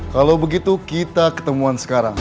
kalau begitu kita ketemuan sekarang